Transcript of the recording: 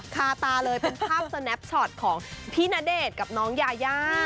คาตาเลยเป็นภาพสแนปชอตของพี่ณเดชน์กับน้องยายา